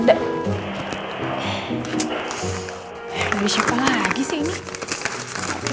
ini siapa lagi sih ini